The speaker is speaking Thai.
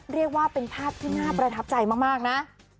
เรียกว่าเป็นภาพที่น่าประทับใจมากนะ